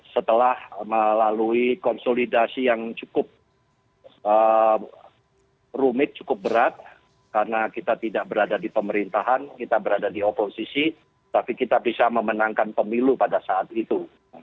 setelah melalui konsolidasi yang cukup rumit cukup berat karena kita tidak berada di pemerintahan kita berada di oposisi tapi kita bisa memenangkan pemilu pada saat itu